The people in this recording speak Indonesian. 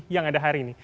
yang ada hari ini